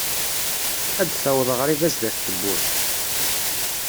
ad d-taweḍ ɣriba sdat n tewwurt.